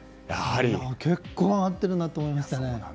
結構上がってるなと思いました。